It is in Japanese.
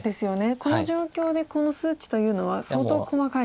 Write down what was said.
この状況でこの数値というのは相当細かい。